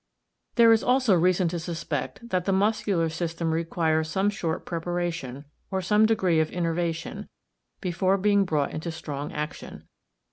There is also reason to suspect that the muscular system requires some short preparation, or some degree of innervation, before being brought into strong action.